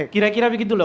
kira kira begitu loh